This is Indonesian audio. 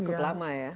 cukup lama ya